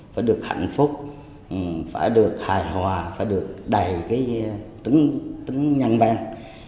phải được hạnh phúc phải được hài hòa phải được đầy cái tính nhân văn